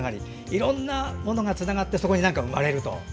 いろんなものがつながってそこに何かが生まれると。